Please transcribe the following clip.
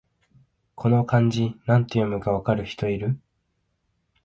この漢字、なんて読むか分かる人いる？